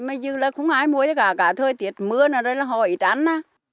mới dư là không ai mua cả thời tiết mưa là hồi tránh